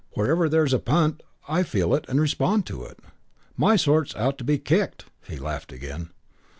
Wherever there's a punt I feel it and respond to it. My sort's out to be kicked " He laughed again.